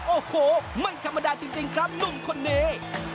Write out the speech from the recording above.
โอ้โหมันธรรมดาจริงครับลุงคนนี้